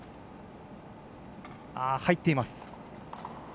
入っています。